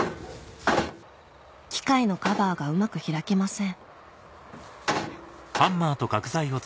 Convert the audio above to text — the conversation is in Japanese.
機械のカバーがうまく開きません